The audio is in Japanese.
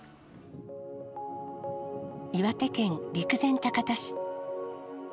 岩手県陸前高田市。